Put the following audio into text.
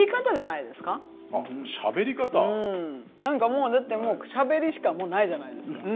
何かもうだってもうしゃべりしかもうないじゃないですか。